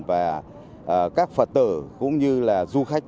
và các phật tử cũng như là du khách